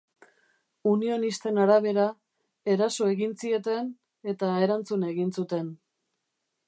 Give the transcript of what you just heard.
Unionisten arabera, eraso egin zieten eta erantzun egin zuten.